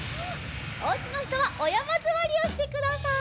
おうちのひとはおやまずわりをしてください。